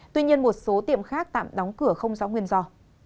tuy nhiên một số tiệm khác tạm đóng cửa không rõ nguyên do